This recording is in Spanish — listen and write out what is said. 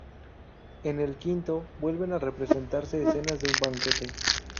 En el quinto vuelven a representarse escenas de un banquete.